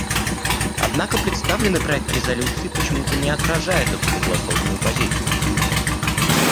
Однако представленный проект резолюции почему-то не отражает эту согласованную позицию.